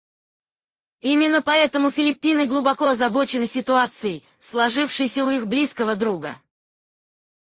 Именно поэтому Филиппины глубоко озабочены ситуацией, сложившейся у их близкого друга.